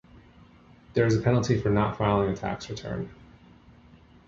There is a penalty for not filing a tax return.